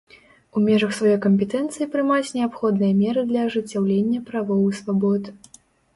У межах сваёй кампетэнцыі прымаць неабходныя меры для ажыццяўлення правоў і свабод.